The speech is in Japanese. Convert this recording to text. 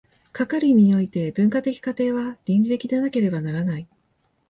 かかる意味において、文化的過程は倫理的でなければならない。